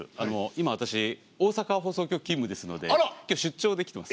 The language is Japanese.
今私大阪放送局勤務ですので今日出張で来てます。